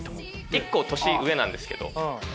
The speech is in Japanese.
１個年上なんですけど。